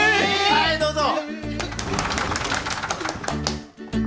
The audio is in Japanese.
はいどうぞ。